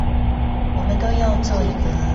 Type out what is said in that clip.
我們都要做一個